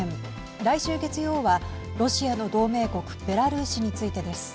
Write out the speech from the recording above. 来週月曜は、ロシアの同盟国ベラルーシについてです。